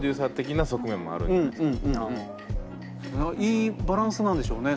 いいバランスなんでしょうね